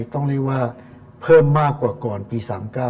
ต้องเรียกว่าเพิ่มมากกว่าก่อนปี๓๙